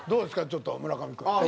ちょっと村上君。